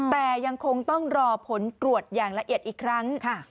แต่ยังคงต้องรอผลตรวจอย่างละเอียดอีกครั้ง